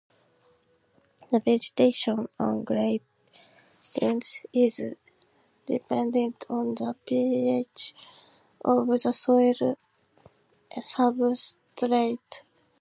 The vegetation on grey dunes is dependent on the pH of the soil substrate.